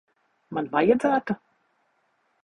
Man vajadzētu?